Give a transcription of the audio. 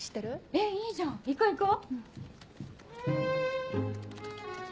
えっいいじゃん行こ行こ！